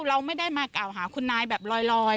เราไม่ได้มากล่าวหาคุณนายแบบลอย